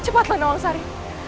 cepatlah nawang sari